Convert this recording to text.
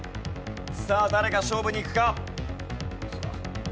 さあ誰が勝負にいくか？